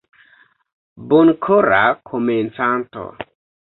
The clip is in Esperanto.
Bonkora Komencanto.